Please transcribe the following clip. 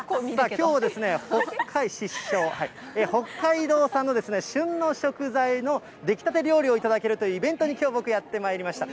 きょうは、北海道産の旬の食材の出来たて料理を頂けるというイベントにきょう僕、やってまいりました。